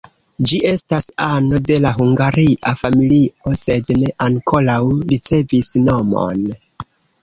Ĝi estas ano de la hungaria familio, sed ne ankoraŭ ricevis nomon.